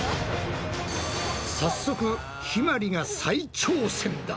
早速ひまりが再挑戦だ！